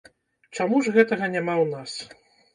Чаму ж гэтага няма ў нас?